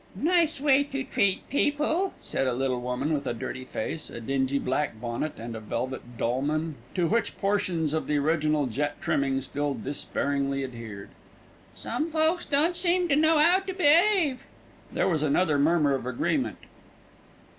"Nice way to treat people," said a little woman with a dirty face, a dingy black bonnet and a velvet dolman, to which portions of the original jet trimming still despairingly adhered. "Some folks don't seem to know 'ow to be'ave." There was another murmur of agreement.